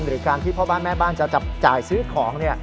หรือการที่พ่อบ้านแม่บ้านจะจับจ่ายซื้อของ